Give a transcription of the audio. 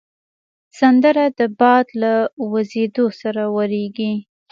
سندره د باد له وزېدو سره وږیږي